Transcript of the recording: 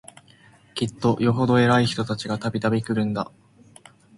きっとよほど偉い人たちが、度々来るんだ